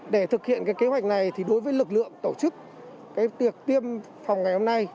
để thực hiện cái kế hoạch này thì đối với lực lượng tổ chức việc tiêm phòng ngày hôm nay